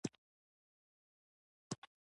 شوروي روسیه له تکاملي پلان سره یو انقلابي دولت و